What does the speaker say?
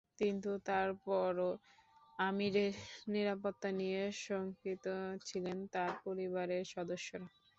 কিন্তু তার পরও আমিরের নিরাপত্তা নিয়ে শঙ্কিত ছিলেন তাঁর পরিবারের সদস্যরা।